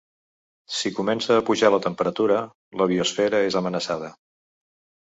Si comença a pujar la temperatura, la biosfera és amenaçada.